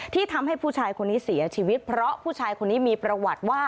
ที่ทำให้ผู้ชายคนนี้เสียชีวิตเพราะผู้ชายคนนี้มีประวัติว่า